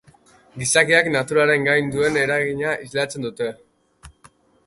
Gizakiak naturaren gain duen eragina islatzen dute.